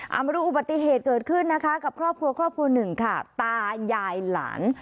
เอามาดูอุบัติเหตุเกิดขึ้นนะคะกับครอบครัวครอบครัวหนึ่งค่ะตายายหลาน